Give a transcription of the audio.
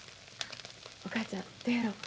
お母ちゃんどやろ。